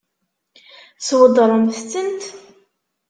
Tweddṛemt-tent?